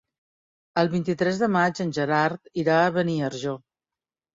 El vint-i-tres de maig en Gerard irà a Beniarjó.